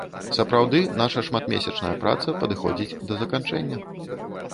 Сапраўды, наша шматмесячная праца падыходзіць да заканчэння.